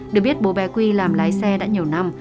được biết bố bé quy làm lái xe đã nhiều năm